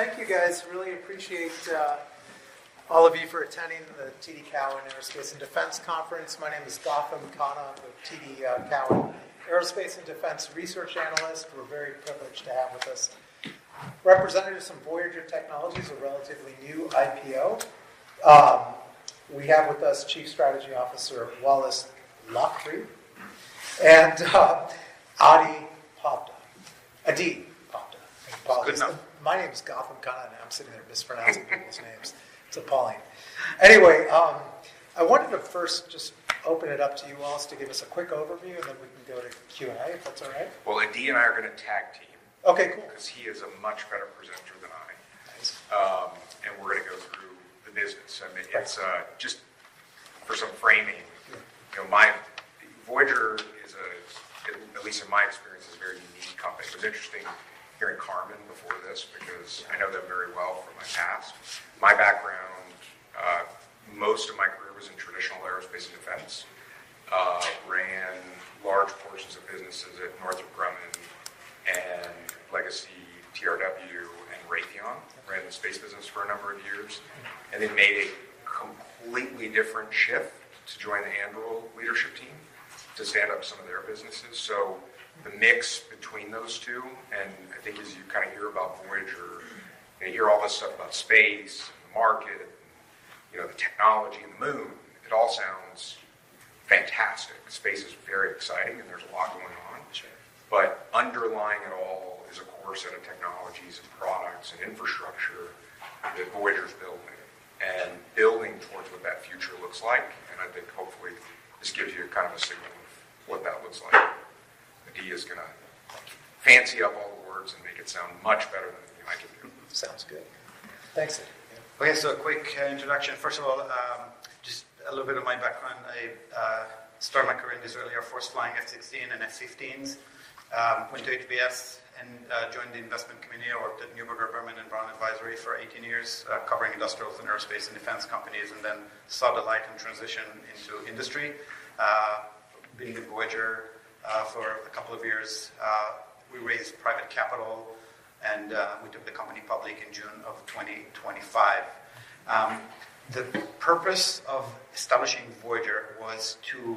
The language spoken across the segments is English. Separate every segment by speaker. Speaker 1: Well, thank you guys. Really appreciate, all of you for attending the TD Cowen Aerospace and Defense Conference. My name is Gautam Khanna. I'm the TD Cowen Aerospace and Defense Research Analyst. We're very privileged to have with us representatives from Voyager Technologies, a relatively new IPO. We have with us Chief Strategy Officer Wallace Laughrey and Adi Padva, Adi Padva.
Speaker 2: Good.
Speaker 1: My name is Gautam Khanna, and I'm sitting there mispronouncing people's names. It's appalling. Anyway, I wanted to first just open it up to you all to give us a quick overview, and then we can go to Q&A if that's all right.
Speaker 2: Well, Adi and I are going to tag team.
Speaker 1: Okay, cool.
Speaker 2: Because he is a much better presenter than I.
Speaker 1: Nice.
Speaker 2: We're going to go through the business. I mean, it's just for some framing. You know, my Voyager is a, at least in my experience, a very unique company. It was interesting hearing Kaman before this because I know them very well from my past. My background, most of my career was in traditional aerospace and defense, ran large portions of businesses at Northrop Grumman and Legacy TRW and Raytheon, ran the space business for a number of years, and then made a completely different shift to join the Anduril leadership team to stand up some of their businesses. So the mix between those two, and I think as you kind of hear about Voyager, you hear all this stuff about space and the market and, you know, the technology and the moon, it all sounds fantastic. Space is very exciting, and there's a lot going on.
Speaker 1: Sure.
Speaker 2: Underlying it all is a core set of technologies and products and infrastructure that Voyager's building and building towards what that future looks like. I think hopefully this gives you kind of a signal of what that looks like. Adi is going to fancy up all the words and make it sound much better than you and I can do.
Speaker 1: Sounds good. Thanks, Adi.
Speaker 3: Okay, so a quick introduction. First of all, just a little bit of my background. I started my career in the Israeli Air Force flying F-16s and F-15s, went to HBS and joined the investment community and worked at Neuberger Berman and Brown Advisory for 18 years, covering industrials and aerospace and defense companies, and then saw the light and transition into industry. I've been with Voyager for a couple of years. We raised private capital, and we took the company public in June of 2025. The purpose of establishing Voyager was to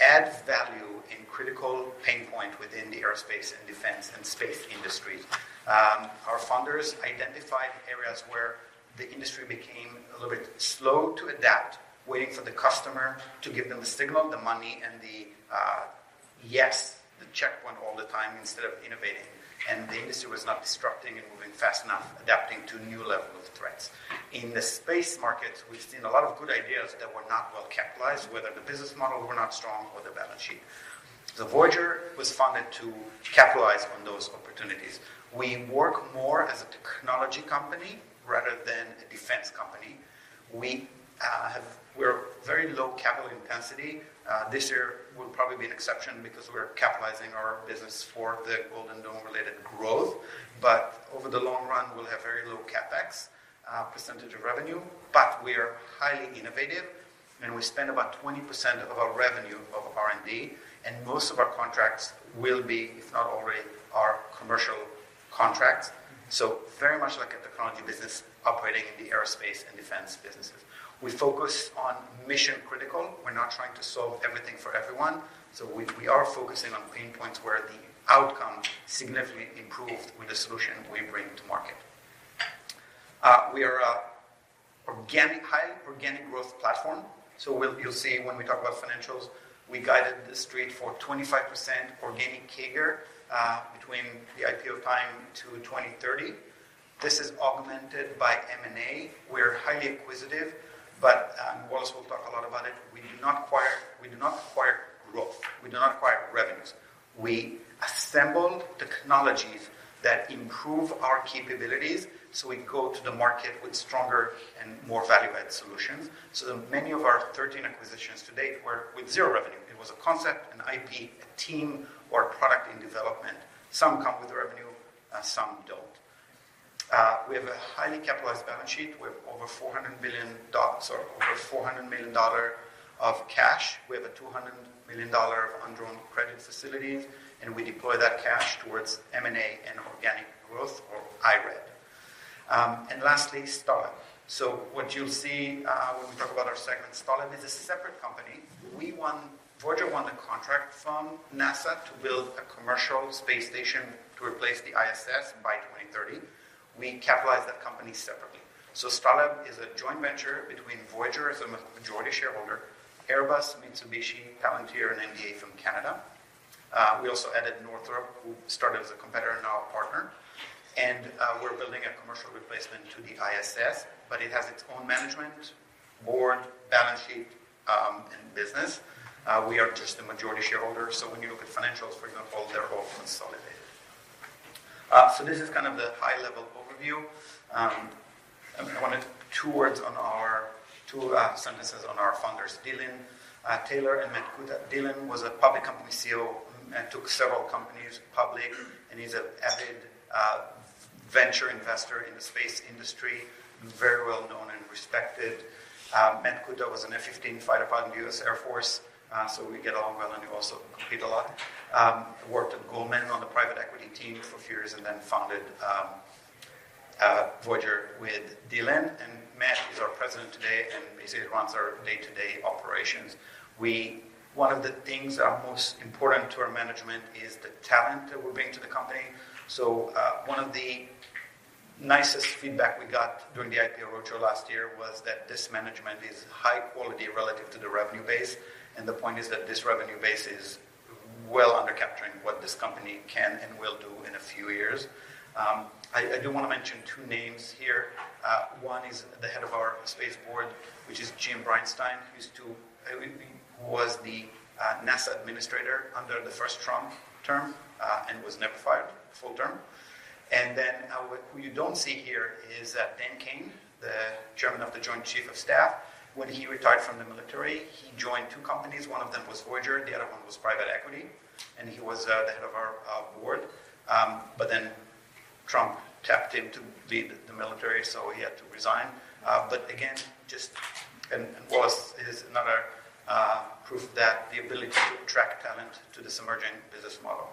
Speaker 3: add value in critical pain points within the aerospace and defense and space industry. Our founders identified areas where the industry became a little bit slow to adapt, waiting for the customer to give them the signal, the money, and yes, the checkpoint all the time instead of innovating. The industry was not disrupting and moving fast enough, adapting to new levels of threats. In the space market, we've seen a lot of good ideas that were not well capitalized, whether the business models were not strong or the balance sheet. So Voyager was funded to capitalize on those opportunities. We work more as a technology company rather than a defense company. We're very low capital intensity. This year will probably be an exception because we're capitalizing our business for the Golden Dome-related growth. But over the long run, we'll have very low CapEx percentage of revenue. But we are highly innovative, and we spend about 20% of our revenue of R&D, and most of our contracts will be, if not already, our commercial contracts. So very much like a technology business operating in the aerospace and defense businesses. We focus on mission-critical. We're not trying to solve everything for everyone. So we are focusing on pain points where the outcome significantly improved with the solution we bring to market. We are an organic highly organic growth platform. So you'll see when we talk about financials, we guided the street for 25% organic CAGR between the IPO time to 2030. This is augmented by M&A. We're highly acquisitive, but Wallace will talk a lot about it. We do not acquire growth. We do not acquire revenues. We assemble technologies that improve our capabilities so we go to the market with stronger and more value-added solutions. So many of our 13 acquisitions to date were with zero revenue. It was a concept, an IP, a team, or a product in development. Some come with revenue, some don't. We have a highly capitalized balance sheet. We have over $400 billion sorry, over $400 million of cash. We have $200 million of undrawn credit facilities, and we deploy that cash towards M&A, inorganic growth, or IREG, and lastly, Starlab. So what you'll see, when we talk about our segment, Starlab is a separate company. Voyager won the contract from NASA to build a commercial space station to replace the ISS by 2030. We capitalized that company separately. So Starlab is a joint venture between Voyager as a majority shareholder, Airbus, Mitsubishi, Palantir, and MDA from Canada. We also added Northrop, who started as a competitor and now a partner. We're building a commercial replacement to the ISS, but it has its own management board, balance sheet, and business. We are just a majority shareholder. So when you look at financials, for example, they're all consolidated. So this is kind of the high-level overview. I wanted two words on our two sentences on our founders. Dylan Taylor and Matt Kuta. Dylan was a public company CEO, took several companies public, and he's an avid venture investor in the space industry, very well known and respected. Matt Kuta was an F-15 fighter pilot in the U.S. Air Force, so we get along well and we also compete a lot. Worked at Goldman on the private equity team for a few years and then founded Voyager with Dylan. And Matt is our president today and basically runs our day-to-day operations. One of the things that are most important to our management is the talent that we're bringing to the company. So one of the nicest feedback we got during the IPO roadshow last year was that this management is high quality relative to the revenue base. The point is that this revenue base is well undercapturing what this company can and will do in a few years. I do want to mention two names here. One is the head of our space board, which is Jim Bridenstine. He was the NASA administrator under the first Trump term, and was never fired, full term. And then, who you don't see here is Dan Kane, the chairman of the Joint Chiefs of Staff. When he retired from the military, he joined two companies. One of them was Voyager. The other one was private equity. And he was the head of our board. But then Trump tapped him to lead the military, so he had to resign. But again, Wallace is another proof that the ability to attract talent to this emerging business model.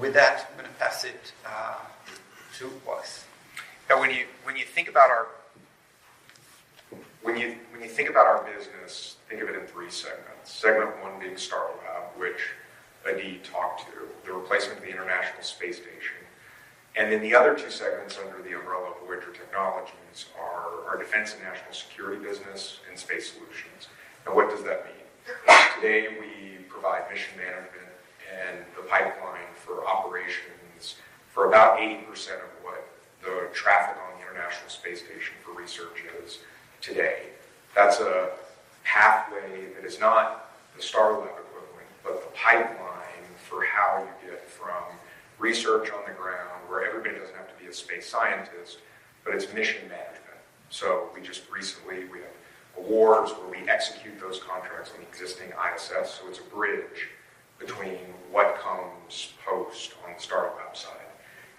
Speaker 3: With that, I'm going to pass it to Wallace.
Speaker 2: Yeah, when you think about our business, think of it in three segments. Segment one being Starlab, which Adi talked to, the replacement of the International Space Station. And then the other two segments under the umbrella of Voyager Technologies are defense and national security business and space solutions. And what does that mean? Today, we provide mission management and the pipeline for operations for about 80% of what the traffic on the International Space Station for research is today. That's a pathway that is not the Starlab equivalent, but the pipeline for how you get from research on the ground where everybody doesn't have to be a space scientist, but it's mission management. So we just recently have awards where we execute those contracts on the existing ISS. So it's a bridge between what comes post on the Starlab side.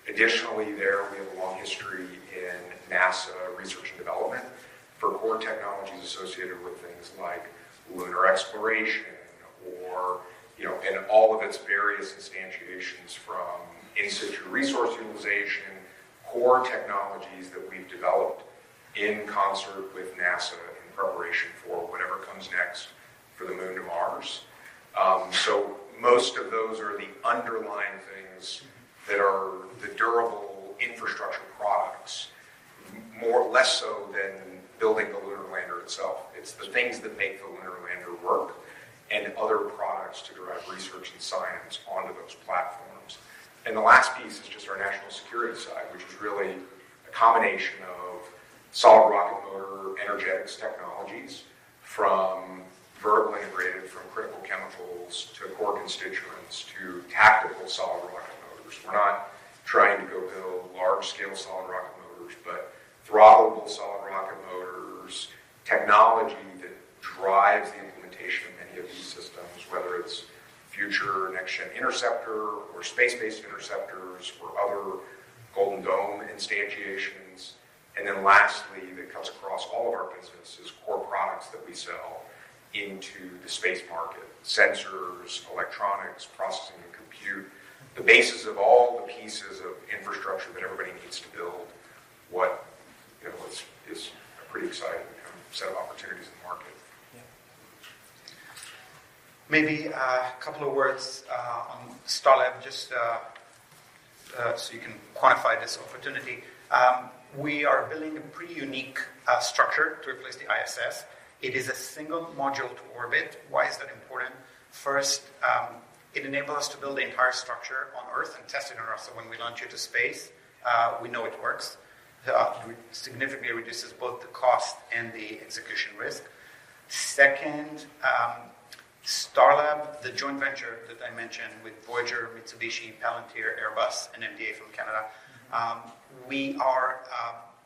Speaker 2: Additionally, there, we have a long history in NASA research and development for core technologies associated with things like lunar exploration or, you know, and all of its various instantiations from in-situ resource utilization, core technologies that we've developed in concert with NASA in preparation for whatever comes next for the moon to Mars. So most of those are the underlying things that are the durable infrastructure products, more or less so than building the lunar lander itself. It's the things that make the lunar lander work and other products to derive research and science onto those platforms. And the last piece is just our national security side, which is really a combination of solid rocket motor energetics technologies from vertically integrated, from critical chemicals to core constituents to tactical solid rocket motors. We're not trying to go build large-scale solid rocket motors, but throttleable solid rocket motors, technology that drives the implementation of many of these systems, whether it's future next-gen Interceptor or space-based interceptors or other Golden Dome instantiations. And then lastly, that cuts across all of our business is core products that we sell into the space market: sensors, electronics, processing, and compute, the basis of all the pieces of infrastructure that everybody needs to build what, you know, is, is a pretty exciting set of opportunities in the market.
Speaker 3: Maybe, a couple of words on Starlab, just so you can quantify this opportunity. We are building a pretty unique structure to replace the ISS. It is a single module to orbit. Why is that important? First, it enables us to build the entire structure on Earth and test it on Earth. So when we launch it to space, we know it works. It significantly reduces both the cost and the execution risk. Second, Starlab, the joint venture that I mentioned with Voyager, Mitsubishi, Palantir, Airbus, and MDA from Canada, we are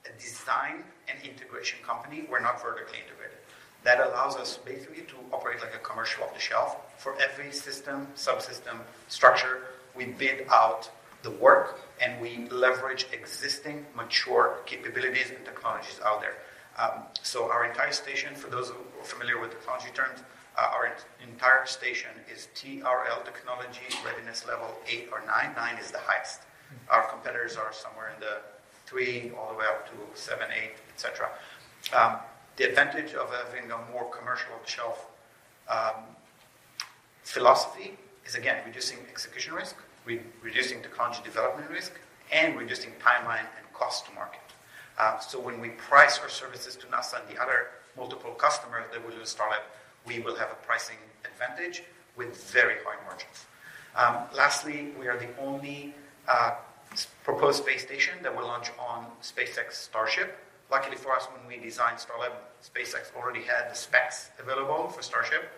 Speaker 3: a design and integration company. We're not vertically integrated. That allows us basically to operate like a commercial off-the-shelf. For every system, subsystem, structure, we bid out the work, and we leverage existing mature capabilities and technologies out there. So our entire station, for those who are familiar with technology terms, our entire station is TRL technology, readiness level eight or nine. Nine is the highest. Our competitors are somewhere in the three all the way up to seven, eight, etc. The advantage of having a more commercial off-the-shelf philosophy is, again, reducing execution risk, reducing technology development risk, and reducing timeline and cost to market. So when we price our services to NASA and the other multiple customers that will use Starlab, we will have a pricing advantage with very high margins. Lastly, we are the only proposed space station that will launch on SpaceX Starship. Luckily for us, when we designed Starlab, SpaceX already had the specs available for Starship,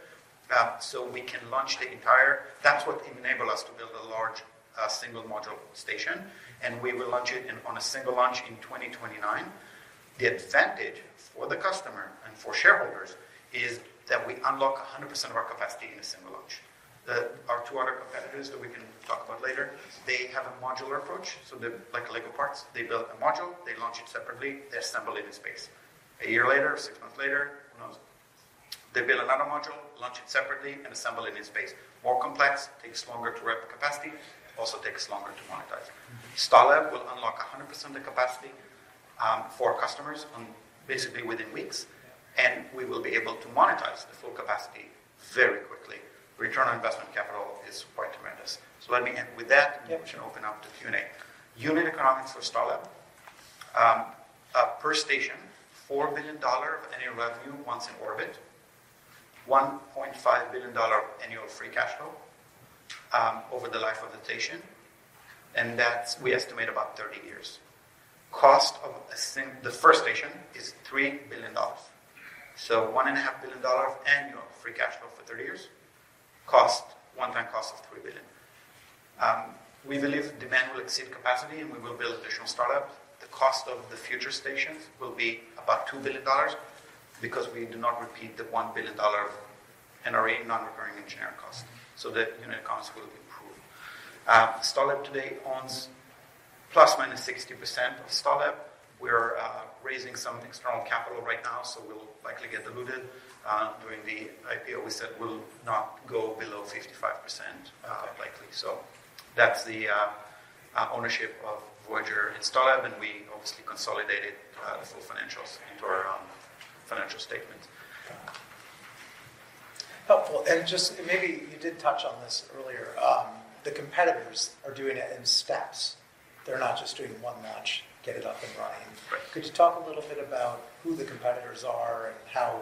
Speaker 3: so we can launch the entire. That's what enabled us to build a large, single module station. We will launch it in on a single launch in 2029. The advantage for the customer and for shareholders is that we unlock 100% of our capacity in a single launch. Our two other competitors that we can talk about later, they have a modular approach. So they're like Lego parts. They build a module. They launch it separately. They assemble it in space. A year later, six months later, who knows? They build another module, launch it separately, and assemble it in space. More complex, takes longer to wrap capacity, also takes longer to monetize. Starlab will unlock 100% of the capacity, for our customers on basically within weeks. And we will be able to monetize the full capacity very quickly. Return on investment capital is quite tremendous. So let me end with that, and we can open up to Q&A. Unit economics for Starlab, per station, $4 billion of annual revenue once in orbit, $1.5 billion of annual free cash flow, over the life of the station. And that's, we estimate, about 30 years. Cost of building the first station is $3 billion. So $1.5 billion of annual free cash flow for 30 years, the one-time cost of $3 billion. We believe demand will exceed capacity, and we will build additional stations. The cost of the future stations will be about $2 billion because we do not repeat the $1 billion of NRE, non-recurring engineering cost. So the unit economics will improve. Starlab today owns ±60% of Starlab. We're raising some external capital right now, so we'll likely get diluted. During the IPO, we said we'll not go below 55%, likely. So that's the ownership of Voyager and Starlab. We obviously consolidated the full financials into our financial statements.
Speaker 1: Helpful. Just maybe you did touch on this earlier. The competitors are doing it in steps. They're not just doing one launch, get it up and running. Could you talk a little bit about who the competitors are and how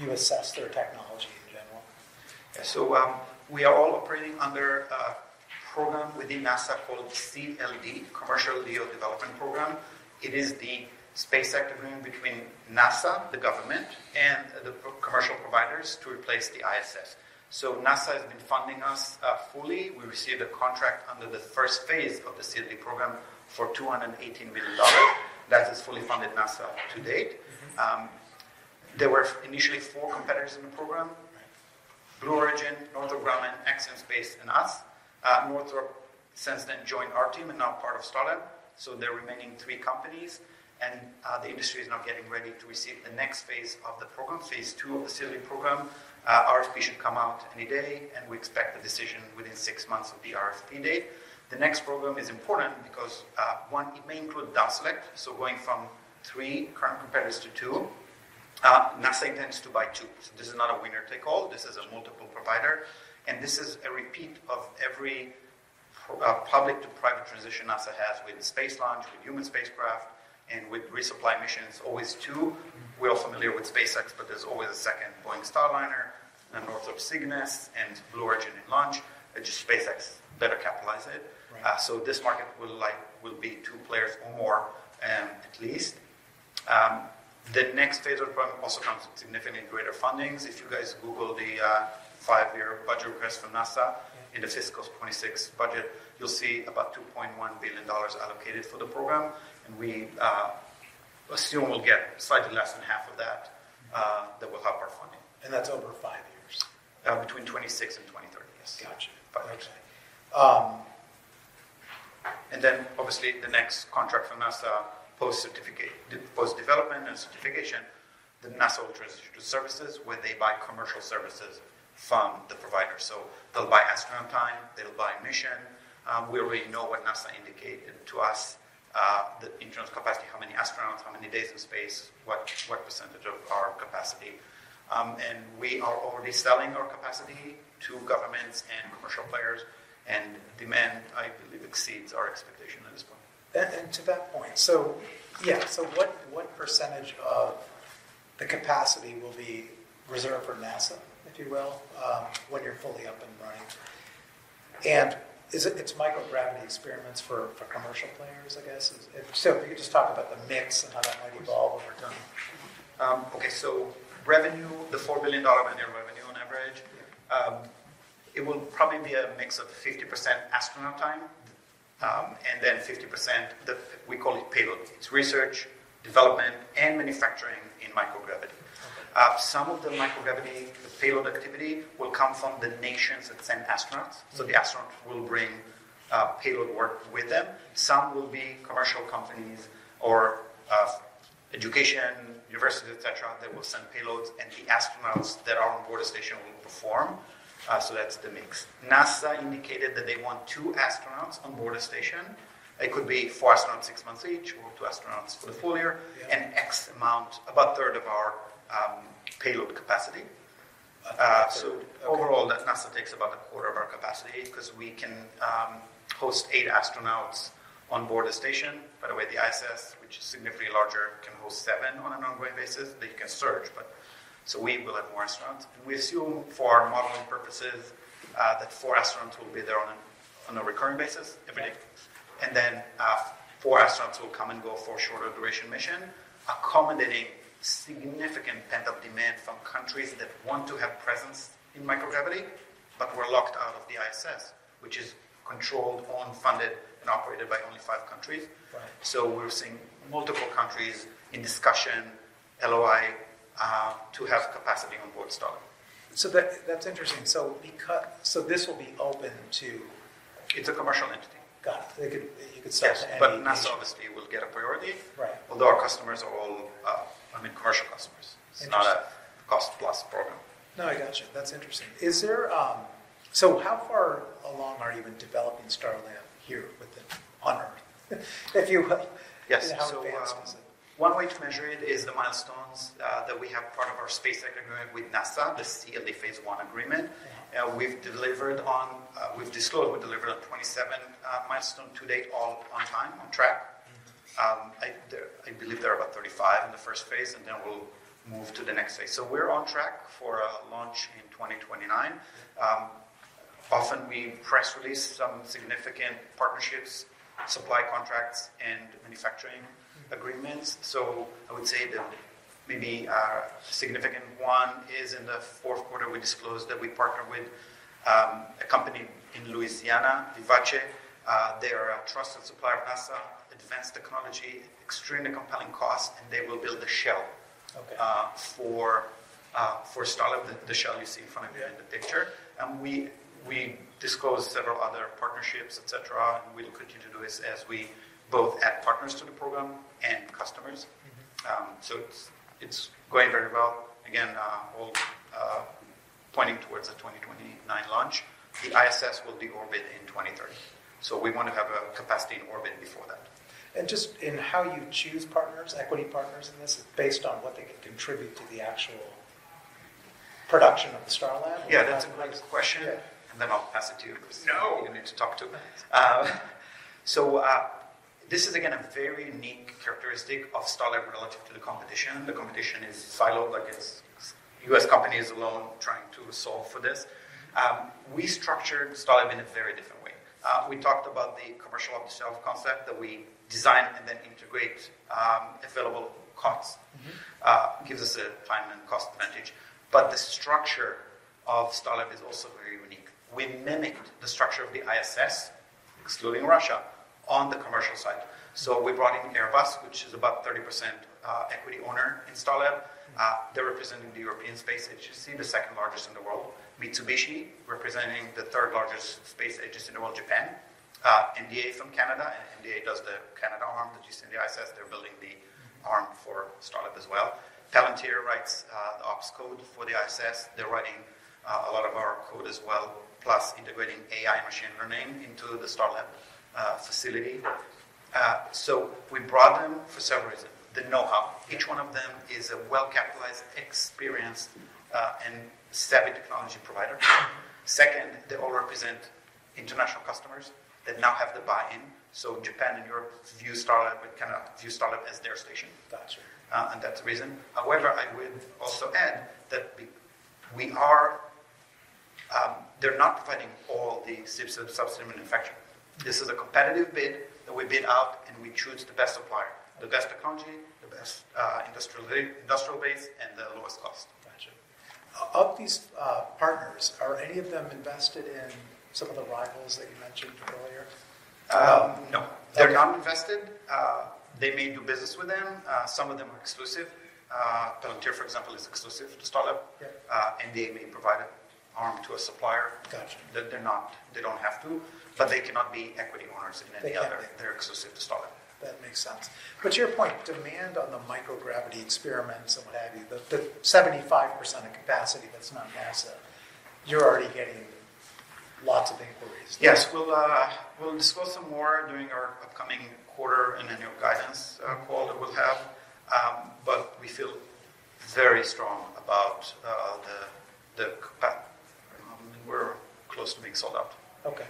Speaker 1: you assess their technology in general?
Speaker 3: Yeah. So, we are all operating under a program within NASA called CLD, Commercial LEO Development Program. It is the Space Act Agreement between NASA, the government, and the commercial providers to replace the ISS. So NASA has been funding us, fully. We received a contract under the first phase of the CLD program for $218 million. That is fully funded NASA to date. There were initially four competitors in the program: Blue Origin, Northrop Grumman, Axiom Space, and us. Northrop since then joined our team and now part of Starlab. So there are remaining three companies. The industry is now getting ready to receive the next phase of the program, phase two of the CLD program. RFP should come out any day, and we expect the decision within six months of the RFP date. The next program is important because, one, it may include down select. So going from three current competitors to two, NASA intends to buy two. So this is not a winner-take-all. This is a multiple provider. And this is a repeat of every pro public-to-private transition NASA has with space launch, with human spacecraft, and with resupply missions, always two. We're all familiar with SpaceX, but there's always a second Boeing Starliner and Northrop Cygnus and Blue Origin in launch. It's just SpaceX better capitalize it. So this market will, like, will be two players or more, at least. The next phase of the program also comes with significantly greater fundings. If you guys Google the five-year budget request from NASA in the fiscal 2026 budget, you'll see about $2.1 billion allocated for the program. And we assume we'll get slightly less than half of that, that will help our funding.
Speaker 1: And that's over five years?
Speaker 3: Between 2026 and 2030, yes.
Speaker 1: Gotcha. Okay.
Speaker 3: And then obviously, the next contract from NASA post-certificate post-development and certification, NASA will transition to services where they buy commercial services from the provider. So they'll buy astronaut time. They'll buy mission. We already know what NASA indicated to us, the internal capacity, how many astronauts, how many days in space, what, what percentage of our capacity. And we are already selling our capacity to governments and commercial players. And demand, I believe, exceeds our expectation at this point.
Speaker 1: And to that point, so yeah, what percentage of the capacity will be reserved for NASA, if you will, when you're fully up and running? And is it microgravity experiments for commercial players, I guess? So if you could just talk about the mix and how that might evolve over time.
Speaker 3: Okay. So revenue, the $4 billion annual revenue on average, it will probably be a mix of 50% astronaut time, and then 50% the we call it payload. It's research, development, and manufacturing in microgravity. Some of the microgravity, the payload activity will come from the nations that send astronauts. So the astronauts will bring, payload work with them. Some will be commercial companies or, education, university, etc. that will send payloads. And the astronauts that are on board a station will perform. So that's the mix. NASA indicated that they want two astronauts on board a station. It could be four astronauts, six months each, or two astronauts for the full year, an X amount, about a third of our, payload capacity. So overall, NASA takes about a quarter of our capacity because we can, host eight astronauts on board a station. By the way, The ISS which is significantly larger can host seven on an ongoing basis. They can surge, but so we will have more astronauts. We assume for our modeling purposes that four astronauts will be there on a recurring basis every day. Then, four astronauts will come and go for a shorter duration mission, accommodating significant pent-up demand from countries that want to have presence in microgravity but were locked out of the ISS, which is controlled, owned, funded, and operated by only five countries. So we're seeing multiple countries in discussion, LOI, to have capacity on board Starlab.
Speaker 1: So that's interesting. So because this will be open to.
Speaker 3: It's a commercial entity.
Speaker 1: Got it. They could. You could sell to any.
Speaker 3: Yes. But NASA obviously will get a priority, although our customers are all, I mean, commercial customers. It's not a cost-plus program.
Speaker 1: No, I gotcha. That's interesting. Is there, so how far along are you in developing Starlab here within on Earth, if you will?
Speaker 3: Yes. So one way to measure it is the milestones that we have as part of our SpaceX agreement with NASA, the CLD phase one agreement. We've delivered on. We've disclosed we delivered on 27 milestones to date, all on time, on track. I believe there are about 35 in the first phase, and then we'll move to the next phase. So we're on track for a launch in 2029. Often, we press release some significant partnerships, supply contracts, and manufacturing agreements. So I would say the maybe significant one is in the fourth quarter. We disclosed that we partner with a company in Louisiana, Vivace. They are a trusted supplier of NASA advanced technology, extremely compelling costs. And they will build a shell for Starlab, the shell you see in front of you in the picture. And we disclosed several other partnerships, etc. We'll continue to do this as we both add partners to the program and customers. So it's, it's going very well. Again, all pointing towards a 2029 launch. The ISS will deorbit in 2030. So we want to have a capacity in orbit before that.
Speaker 1: Just in how you choose partners, equity partners in this, it's based on what they can contribute to the actual production of the Starlab?
Speaker 3: Yeah. That's a great question. And then I'll pass it to you, Chris.
Speaker 1: No.
Speaker 3: You need to talk to me. So, this is, again, a very unique characteristic of Starlab relative to the competition. The competition is siloed. Like, it's U.S. companies alone trying to solve for this. We structured Starlab in a very different way. We talked about the commercial off-the-shelf concept that we design and then integrate, available costs. Gives us a time and cost advantage. But the structure of Starlab is also very unique. We mimicked the structure of the ISS, excluding Russia, on the commercial side. So we brought in Airbus, which is about 30% equity owner in Starlab. They're representing the European Space Agency, the second largest in the world. Mitsubishi, representing the third largest space agency in the world, Japan. MDA from Canada. And MDA does the Canadarm, the GN&C ISS. They're building the arm for Starlab as well. Palantir writes the ops code for the ISS. They're writing a lot of our code as well, plus integrating AI and machine learning into the Starlab facility. So we brought them for several reasons. The know-how. Each one of them is a well-capitalized, experienced, and savvy technology provider. Second, they all represent international customers that now have the buy-in. So Japan and Europe view Starlab with kind of view Starlab as their station.
Speaker 1: Gotcha.
Speaker 3: That's the reason. However, I would also add that we are, they're not providing all the CIPS subsidy manufacturing. This is a competitive bid that we bid out, and we choose the best supplier, the best technology, the best industrial-based, and the lowest cost.
Speaker 1: Gotcha. Of these partners, are any of them invested in some of the rivals that you mentioned earlier?
Speaker 3: No. They're not invested. They may do business with them. Some of them are exclusive. Palantir, for example, is exclusive to Starlab. NASA may provide an arm to a supplier. They don't have to. But they cannot be equity owners in any other. They're exclusive to Starlab.
Speaker 1: That makes sense. But to your point, demand on the microgravity experiments and what have you, the 75% of capacity that's not NASA, you're already getting lots of inquiries.
Speaker 3: Yes. We'll disclose some more during our upcoming quarter and annual guidance call that we'll have. But we feel very strong about the capacity. I mean, we're close to being sold out.
Speaker 1: Okay.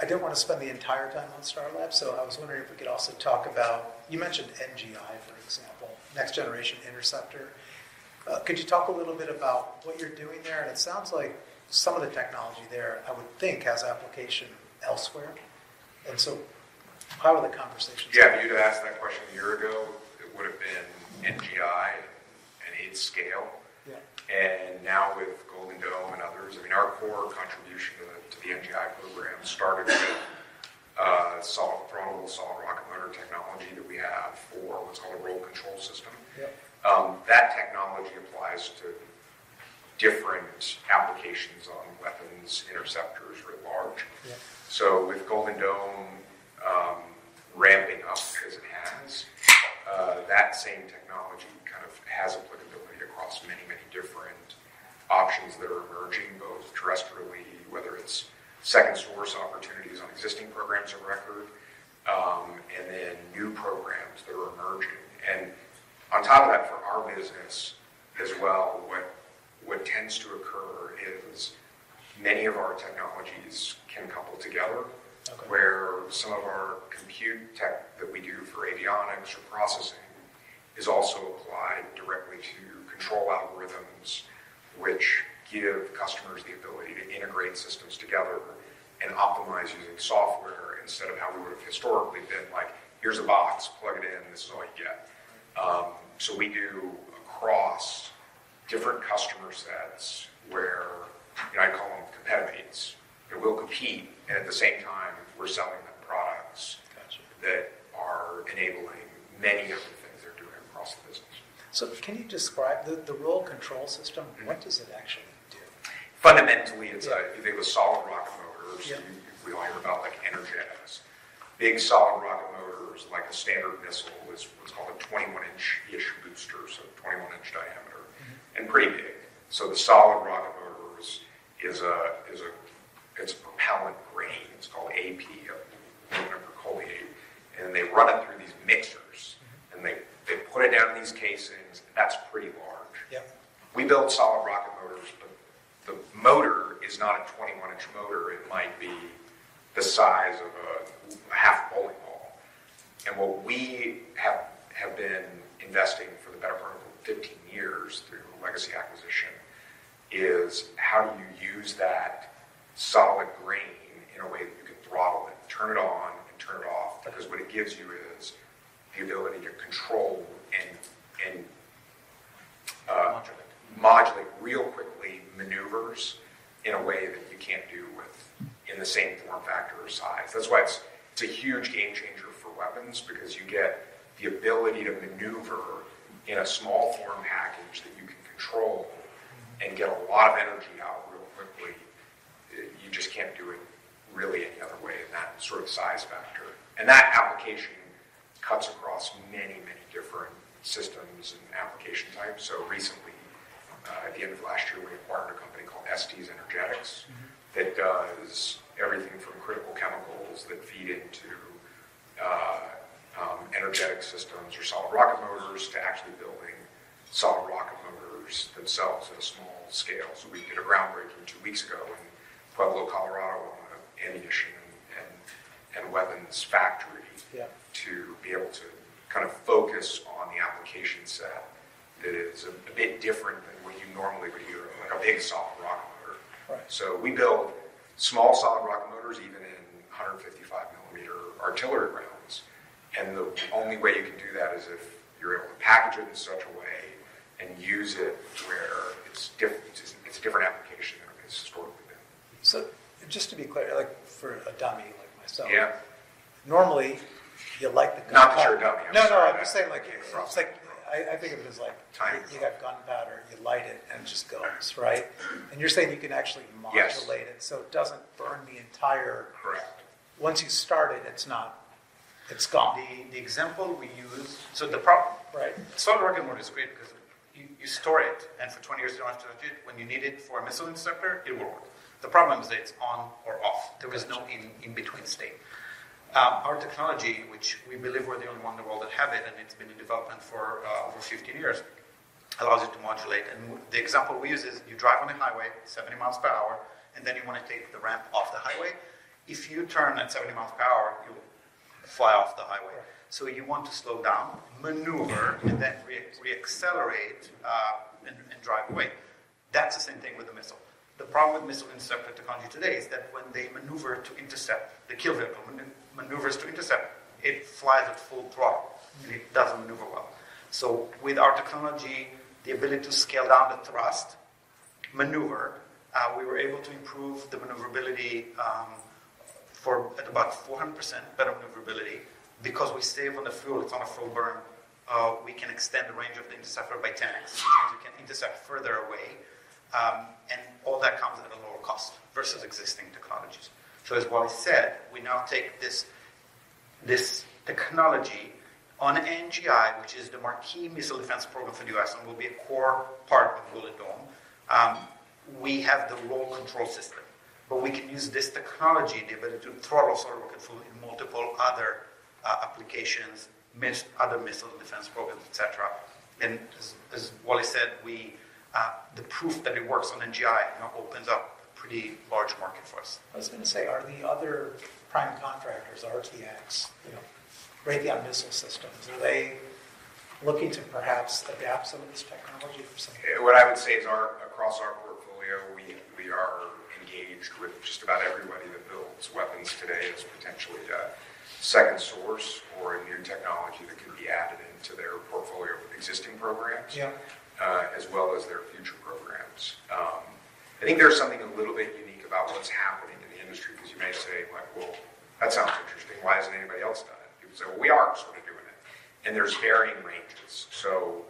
Speaker 1: I didn't want to spend the entire time on Starlab, so I was wondering if we could also talk about, you mentioned NGI, for example, Next Generation Interceptor. Could you talk a little bit about what you're doing there? And it sounds like some of the technology there, I would think, has application elsewhere. And so how are the conversations?
Speaker 2: Yeah. If you had asked that question a year ago, it would have been NGI and its scale. And now with Golden Dome and others, I mean, our core contribution to the NGI program started with throttleable solid rocket motor technology that we have for what's called a roll control system. That technology applies to different applications on weapons, interceptors writ large. So with Golden Dome ramping up because it has that same technology kind of has applicability across many, many different options that are emerging, both terrestrially, whether it's second source opportunities on existing programs of record, and then new programs that are emerging. And on top of that, for our business as well, what tends to occur is many of our technologies can couple together, where some of our compute tech that we do for avionics or processing is also applied directly to control algorithms, which give customers the ability to integrate systems together and optimize using software instead of how we would have historically been, like, "Here's a box. Plug it in. This is all you get." So we do across different customer sets where, you know, I call them competitors. They will compete. And at the same time, we're selling them products that are enabling many of the things they're doing across the business.
Speaker 1: Can you describe the roll control system? What does it actually do?
Speaker 2: Fundamentally, it's what you think of solid rocket motors. We all hear about, like, Aerojet. Big solid rocket motors, like a standard missile, is what's called a 21-inch-ish booster, so 21-inch diameter, and pretty big. So the solid rocket motor is a propellant grain. It's called AP, ammonium perchlorate. And they run it through these mixers. And they put it down in these casings. And that's pretty large. We build solid rocket motors, but the motor is not a 21-inch motor. It might be the size of a half bowling ball. What we have been investing for the better part of 15 years through legacy acquisition is how do you use that solid grain in a way that you can throttle it, turn it on, and turn it off because what it gives you is the ability to control and,
Speaker 1: Modulate?
Speaker 2: Modulate real quickly maneuvers in a way that you can't do with in the same form factor or size. That's why it's a huge game changer for weapons because you get the ability to maneuver in a small form package that you can control and get a lot of energy out real quickly. You just can't do it really any other way in that sort of size factor. And that application cuts across many, many different systems and application types. So recently, at the end of last year, we acquired a company called Estes Energetics that does everything from critical chemicals that feed into energetic systems or solid rocket motors to actually building solid rocket motors themselves at a small scale. So we did a groundbreaking two weeks ago in Pueblo, Colorado, on an ammunition and weapons factory to be able to kind of focus on the application set that is a bit different than what you normally would hear of, like, a big solid rocket motor. So we build small solid rocket motors, even in 155-mm artillery rounds. And the only way you can do that is if you're able to package it in such a way and use it where it's different, it's a different application than it has historically been.
Speaker 1: Just to be clear, like, for a dummy like myself, normally, you light the gunpowder.
Speaker 2: Not that you're a dummy. I'm sorry.
Speaker 1: No, no. I'm just saying, like, it's like I think of it as, like, you got gunpowder. You light it, and it just goes, right? And you're saying you can actually modulate it so it doesn't burn the entire.
Speaker 2: Correct.
Speaker 1: Once you start it, it's not. It's gone.
Speaker 3: The example we use is the solid rocket motor is great because you store it. And for 20 years, you don't have to touch it. When you need it for a missile interceptor, it will work. The problem is that it's on or off. There is no in-between state. Our technology, which we believe we're the only one in the world that have it, and it's been in development for over 15 years, allows you to modulate. And the example we use is you drive on the highway, 70 mph, and then you want to take the ramp off the highway. If you turn at 70 mph, you fly off the highway. So you want to slow down, maneuver, and then reaccelerate, and drive away. That's the same thing with the missile. The problem with missile interceptor technology today is that when they maneuver to intercept the kill vehicle, maneuvers to intercept, it flies at full throttle, and it doesn't maneuver well. So with our technology, the ability to scale down the thrust, maneuver, we were able to improve the maneuverability, for at about 400% better maneuverability because we save on the fuel. It's on a full burn. We can extend the range of the interceptor by 10x, which means you can intercept further away. And all that comes at a lower cost versus existing technologies. So as Wally said, we now take this, this technology on NGI, which is the marquee Missile Defense Program for the U.S. and will be a core part of Golden Dome. We have the roll control system. But we can use this technology, the ability to throttle solid rocket fuel in multiple other applications, other missile defense programs, etc. As, as Wally said, we, the proof that it works on NGI now opens up a pretty large market for us.
Speaker 1: I was going to say, are the other prime contractors, RTX, you know, Raytheon Missile Systems, are they looking to perhaps adapt some of this technology for some?
Speaker 2: What I would say is across our portfolio, we are engaged with just about everybody that builds weapons today as potentially a second source or a new technology that can be added into their portfolio of existing programs, as well as their future programs. I think there's something a little bit unique about what's happening in the industry because you may say, like, "Well, that sounds interesting. Why hasn't anybody else done it?" People say, "Well, we are sort of doing it." And there's varying ranges. So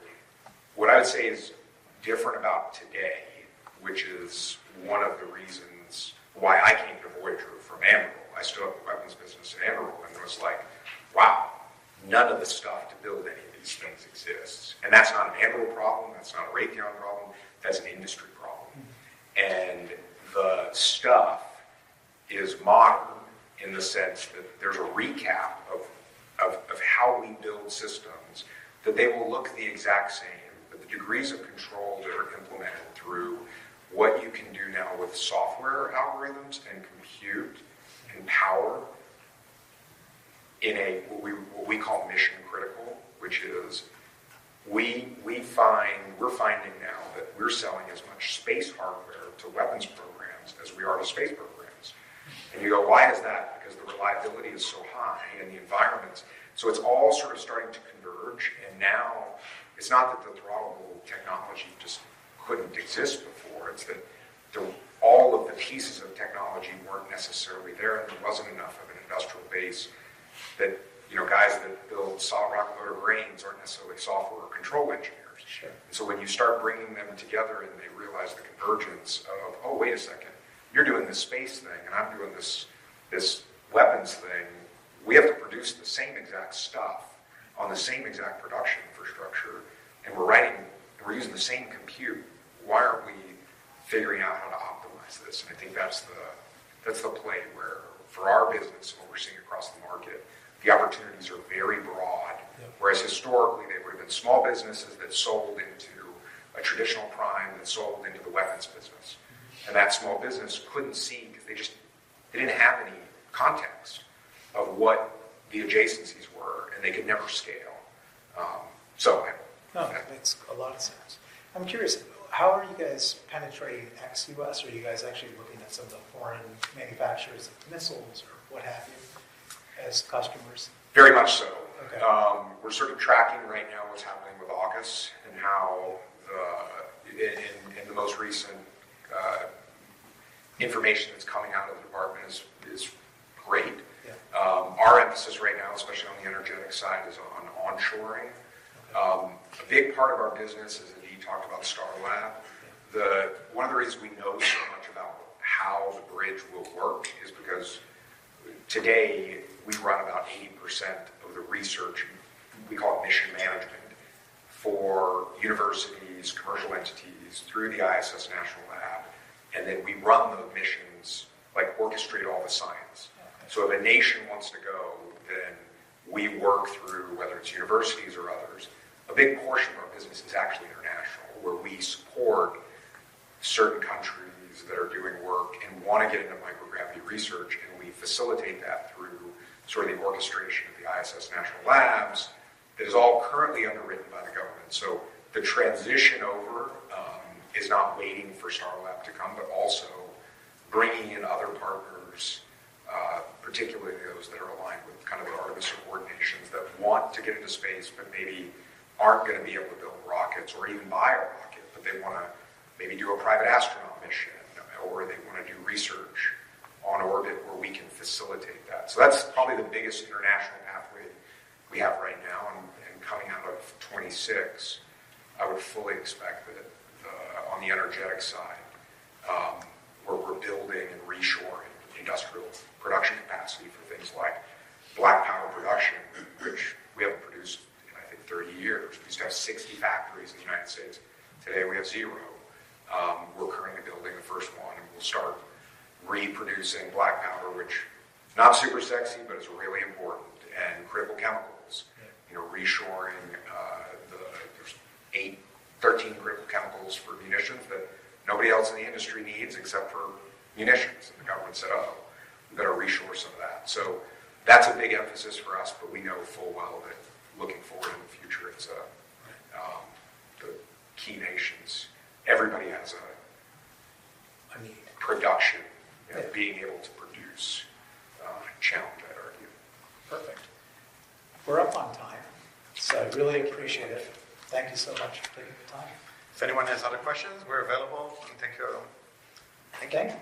Speaker 2: what I would say is different about today, which is one of the reasons why I came to Voyager from Anduril. I stood up a weapons business at Anduril and was like, "Wow, none of the stuff to build any of these things exists." And that's not an Anduril problem. That's not a Raytheon problem. That's an industry problem. The stuff is modern in the sense that there's a recap of how we build systems that they will look the exact same, but the degrees of control that are implemented through what you can do now with software algorithms and compute and power in a what we call mission-critical, which is we find now that we're selling as much space hardware to weapons programs as we are to space programs. You go, "Why is that?" Because the reliability is so high and the environment's so it's all sort of starting to converge. Now it's not that the throttleable technology just couldn't exist before. It's that all of the pieces of technology weren't necessarily there. There wasn't enough of an industrial base that, you know, guys that build solid rocket motor grains aren't necessarily software control engineers. And so when you start bringing them together and they realize the convergence of, "Oh, wait a second. You're doing this space thing, and I'm doing this, this weapons thing. We have to produce the same exact stuff on the same exact production infrastructure. And we're writing and we're using the same compute. Why aren't we figuring out how to optimize this?" And I think that's the play where for our business and what we're seeing across the market, the opportunities are very broad, whereas historically, they would have been small businesses that sold into a traditional prime that sold into the weapons business. And that small business couldn't see because they just didn't have any context of what the adjacencies were. And they could never scale. So yeah.
Speaker 1: No, that makes a lot of sense. I'm curious, how are you guys penetrating ex-US? Are you guys actually looking at some of the foreign manufacturers of missiles or what have you as customers?
Speaker 2: Very much so. We're sort of tracking right now what's happening with AUKUS and how the, in the most recent information that's coming out of the department is great. Our emphasis right now, especially on the energetic side, is on onshoring. A big part of our business is, as you talked about, Starlab. The one of the reasons we know so much about how the bridge will work is because today, we run about 80% of the research we call it mission management for universities, commercial entities through the ISS National Lab. And then we run those missions, like, orchestrate all the science. So if a nation wants to go, then we work through, whether it's universities or others, a big portion of our business is actually international, where we support certain countries that are doing work and want to get into microgravity research. We facilitate that through sort of the orchestration of the ISS National Labs that is all currently underwritten by the government. So the transition over is not waiting for Starlab to come, but also bringing in other partners, particularly those that are aligned with kind of the Artemis coordinations that want to get into space but maybe aren't going to be able to build rockets or even buy a rocket, but they want to maybe do a private astronaut mission, or they want to do research on orbit where we can facilitate that. So that's probably the biggest international pathway we have right now. And coming out of 2026, I would fully expect that, on the energetic side, we're building and reshoring industrial production capacity for things like black powder production, which we haven't produced in, I think, 30 years. We used to have 60 factories in the United States. Today, we have zero. We're currently building the first one. We'll start reproducing black powder, which is not super sexy, but it's really important, and critical chemicals, you know, reshoring. There's 18 critical chemicals for munitions that nobody else in the industry needs except for munitions. And the government said, "Oh, we better reshore some of that." So that's a big emphasis for us. But we know full well that looking forward in the future, it's the key nations. Everybody has a.
Speaker 1: A need.
Speaker 2: Production, you know, being able to produce, a challenge, I'd argue.
Speaker 1: Perfect. We're up on time. So I really appreciate it. Thank you so much for taking the time.
Speaker 3: If anyone has other questions, we're available. Thank you, everyone.
Speaker 1: Thank you.